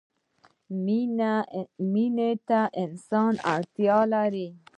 مینې ته انسان اړتیا لري.